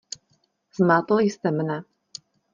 Zmátl jste mne.